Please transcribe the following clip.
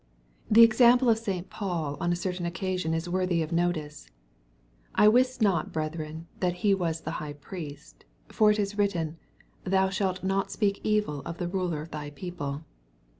The example of St. Paul on a certain occasion is worthy of notice, ''I wist not, bretheren, that he was the high priest : for it is written, thou shalt not speak evil of the ruler of thy people."